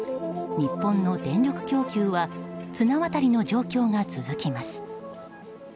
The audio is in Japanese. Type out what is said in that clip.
日本の電力供給は綱渡りの状況が続きます。